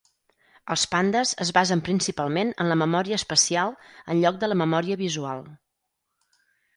Els pandes es basen principalment en la memòria espacial en lloc de la memòria visual.